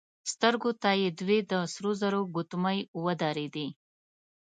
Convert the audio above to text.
سترګو ته يې دوې د سرو زرو ګوتمۍ ودرېدې.